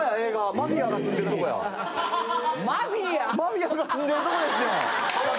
マフィアが住んでるとこですやん。